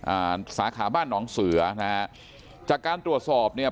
อ่าสาขาบ้านหนองเสือนะฮะจากการตรวจสอบเนี่ย